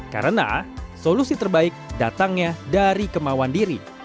karena solusi terbaik datangnya dari kemauan diri